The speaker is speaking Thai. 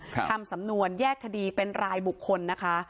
ทำสำนวนแยกคดีเป็นรายบุคคลนะคะ